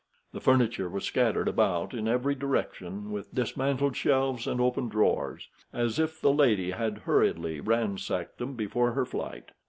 The furniture was scattered about in every direction, with dismantled shelves, and open drawers, as if the lady had hurriedly ransacked them before her flight.